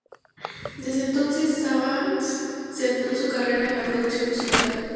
Desde entonces Saban centró su carrera en la producción musical.